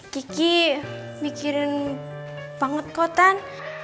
kiki mikirin banget kok tan